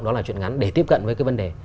đó là chuyện ngắn để tiếp cận với cái vấn đề